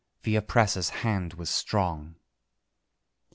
The oppressor's hand was strong.